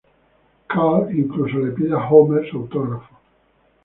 Carl, incluso, le pide a Homer su autógrafo.